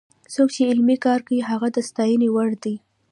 څوک چې علمي کار کوي هغه د ستاینې وړ دی.